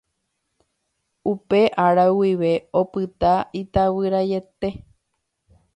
Upe ára guive opyta itavyraiete.